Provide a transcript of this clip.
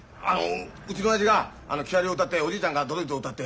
うちのおやじが木遣りを歌っておじいちゃんが都々逸を歌って。